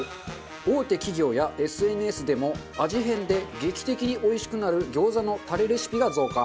大手企業やＳＮＳでも味変で劇的においしくなる餃子のタレレシピが増加。